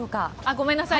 ごめんなさい。